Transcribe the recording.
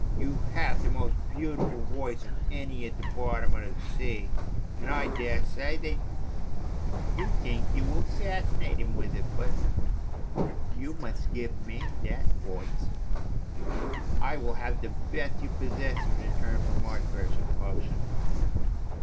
You have the most beautiful voice of any at the bottom of the sea, and I daresay that you think you will fascinate him with it, but you must give me that voice, I will have the best you possess in return for my precious potion!